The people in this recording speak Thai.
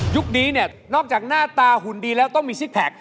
นี้เนี่ยนอกจากหน้าตาหุ่นดีแล้วต้องมีซิกแพค